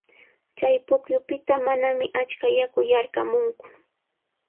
Chay pukyupita manami achka yaku yarqamunku.